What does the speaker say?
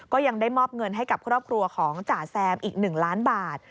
ยังได้มอบเงินให้กับครอบครัวของจ่าแซมอีก๑ล้านบาท